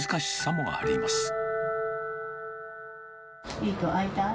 ゆいと、会いたい？